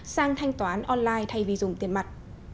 sang thanh toán online thay vì dùng tiền mặt